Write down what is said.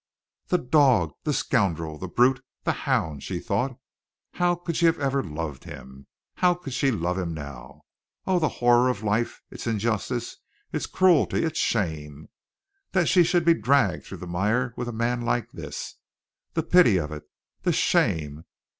The dog, the scoundrel, the brute, the hound! she thought. How could she ever have loved him? How could she love him now? Oh, the horror of life, its injustice, its cruelty, its shame! That she should be dragged through the mire with a man like this. The pity of it! The shame!